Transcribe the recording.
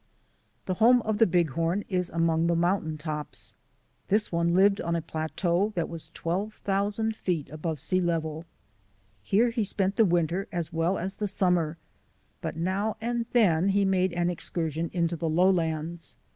The home of the Bighorn is among the moun tain tops. This one lived on a plateau that was 12,000 feet above sea level. Here he spent the winter as well as the summer, but now and then he made an excursion into the lowlands.